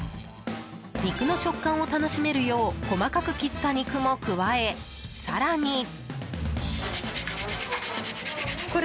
肉の食感を楽しめるよう細かく切った肉も加え、更に。